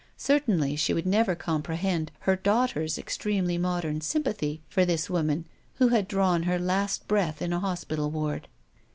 Certainly she wopld never comprehend her daughter's extremely modern sympathy for this woman who had drawn her last breath in a hospital ward.